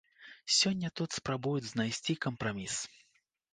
Сёння тут спрабуюць знайсці кампраміс.